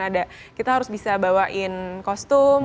ada kita harus bisa bawain kostum